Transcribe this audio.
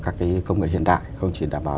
các công nghệ hiện đại không chỉ đảm bảo